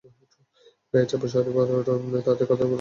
গায়ে ছাপা শাড়ি, শাড়ির পাড়টা ছেঁড়া, তাতে কাঁথা ফোঁড়ের সেলাই দেওয়া।